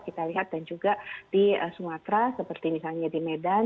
kita lihat dan juga di sumatera seperti misalnya di medan